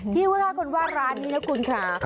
ที่ฝากกันวาดร้านนี้นะคุณค่ะ